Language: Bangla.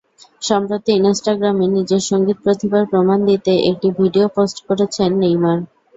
সম্প্রতি ইনস্টাগ্রামে নিজের সংগীত প্রতিভার প্রমাণ দিতে একটি ভিডিও পোস্ট করেছেন নেইমার।